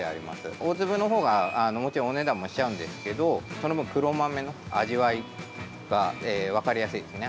大粒のほうが、もちろんお値段もしちゃうんですけどその分、黒豆の味わいが分かりやすいですね。